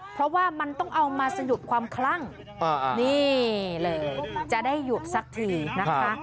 เพราะว่ามันต้องเอามาสยุบความคลั่งนี่เลยจะได้หยุดสักทีนะคะ